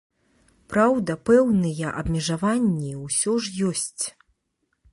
Праўда, пэўныя абмежаванні ўсё ж ёсць.